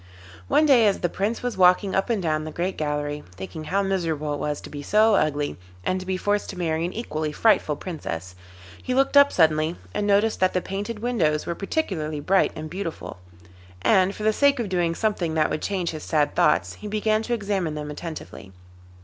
One day, as the Prince was walking up and down the great gallery, thinking how miserable it was to be so ugly, and to be forced to marry an equally frightful Princess, he looked up suddenly and noticed that the painted windows were particularly bright and beautiful, and for the sake of doing something that would change his sad thoughts he began to examine them attentively.